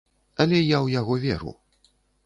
Але я ў яго веру.